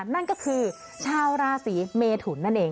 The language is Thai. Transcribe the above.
นั่นก็คือชาวราศีเมทุนนั่นเอง